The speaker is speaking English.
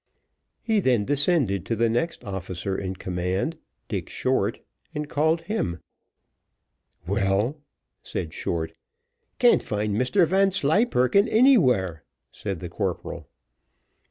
He then descended to the next officer in command, Dick Short, and called him. "Well," said Short. "Can't find Mr Vanslyperken anywhere," said the corporal.